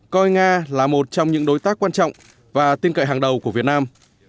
coi nga là một trong những đối tác quan trọng và tin cậy hàng đầu của việt nam